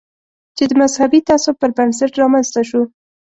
چې د مذهبي تعصب پر بنسټ رامنځته شو.